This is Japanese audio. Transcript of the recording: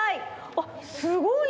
あっすごい。